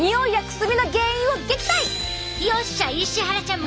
よっしゃ石原ちゃん